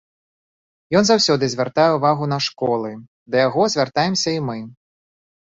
Ён заўсёды звяртае ўвагу на школы, да яго звяртаемся і мы.